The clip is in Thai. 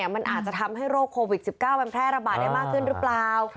มันอาจจะทำให้โรคโควิด๑๙มันแพร่ระบาดได้มากขึ้นหรือเปล่า